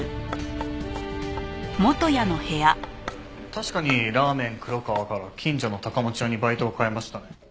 確かにラーメン黒川から近所の高持屋にバイトを変えましたね。